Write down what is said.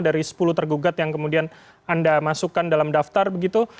dari sepuluh tergugat yang kemudian anda masukkan dalam daftar begitu